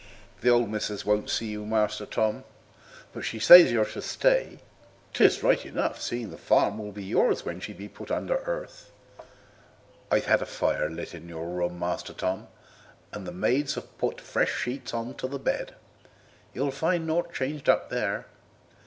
"The old missus won't see you, Master Tom, but she says you are to stay. 'Tis right enough, seeing the farm will be yours when she be put under earth. I've had a fire lit in your room, Master Tom, and the maids has put fresh sheets on to the bed. You'll find nought changed up there.